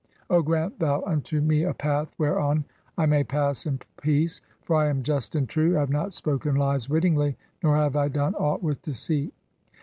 2 "(10) O grant thou unto me a path whereon I may pass in peace, "for I am just and true ; I have not spoken lies wittingly, nor "have I done aught with deceit."